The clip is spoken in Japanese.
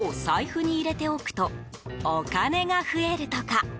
ヘビの皮を財布に入れておくとお金が増えるとか。